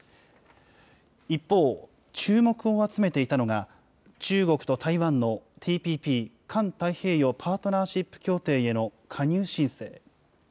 一方、注目を集めていたのが、中国と台湾のＴＰＰ・環太平洋パートナーシップ協定への加入申請。